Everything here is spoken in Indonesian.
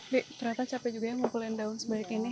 bi ternyata capek juga ya ngumpulin daun sebaik ini